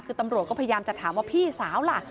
คือตำรวจก็พยายามจะถามว่าพี่สาวล่ะ